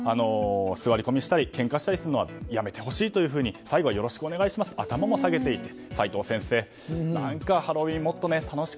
座り込みをしたりけんかしたりするのはやめてほしいというふうに最後はよろしくお願いしますと頭も下げていて。